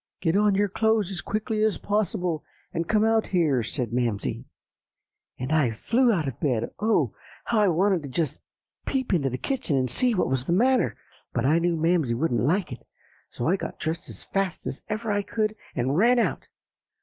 "'Get on your clothes as quickly as possible and come out here,' said Mamsie. And I flew out of bed. Oh! how I wanted to just peep into the kitchen and see what was the matter, but I knew Mamsie wouldn't like it; so I got dressed as fast as ever I could, and ran out.